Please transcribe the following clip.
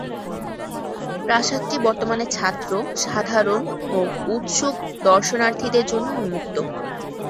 প্রাসাদটি বর্তমানে ছাত্র, সাধারণ ও উৎসুক দর্শনার্থীদের জন্য উন্মুক্ত।